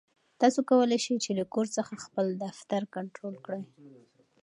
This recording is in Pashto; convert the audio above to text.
تاسو کولای شئ چې له کور څخه خپل دفتر کنټرول کړئ.